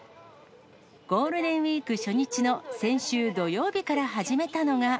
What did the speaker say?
ゴールデンウィーク初日の先週土曜日から始めたのが。